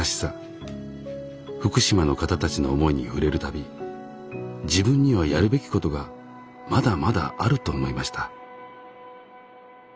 福島の方たちの思いに触れる度自分にはやるべきことがまだまだあると思いました。